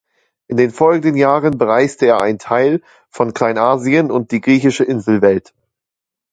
In den folgenden Jahren bereiste er einen Teil von Kleinasien und die griechische Inselwelt.